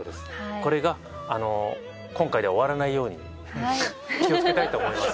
これが今回で終わらないように気をつけたいと思います。